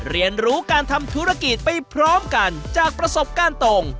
เรียนรู้การทำธุรกิจไปพร้อมกันจากประสบการณ์ตรง